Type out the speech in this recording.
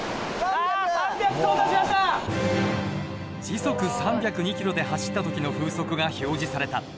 時速３０２ｋｍで走った時の風速が表示された。